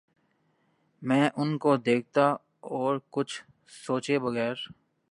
میں ان کو دیکھتا اور کچھ سوچے بغیر